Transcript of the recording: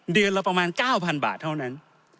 เดือนละประมาณ๙๐๐บาทเท่านั้น